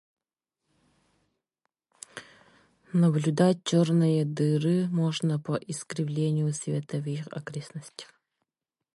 Наблюдать черные дыры можно по искривлению света в их окрестностях.